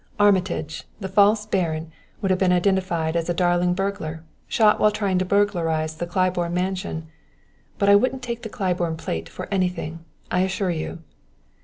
Armitage, the false baron, would have been identified as a daring burglar, shot while trying to burglarize the Claiborne mansion! But I wouldn't take the Claiborne plate for anything, I assure you!"